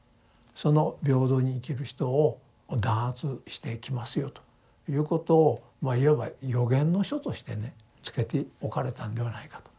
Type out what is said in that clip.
「その平等に生きる人を弾圧してきますよ」ということをまあいわば予言の書としてね付けておかれたんではないかと。